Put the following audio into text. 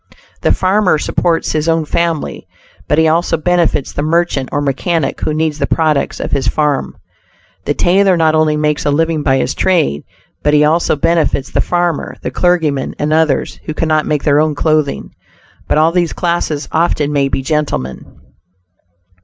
The Farmer supports his own family, but he also benefits the merchant or mechanic who needs the products of his farm. The tailor not only makes a living by his trade, but he also benefits the farmer, the clergyman and others who cannot make their own clothing. But all these classes often may be gentlemen.